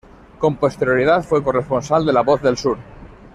Con posterioridad fue corresponsal de "La Voz del Sur".